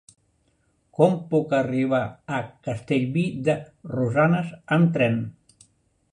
Com puc arribar a Castellví de Rosanes amb tren?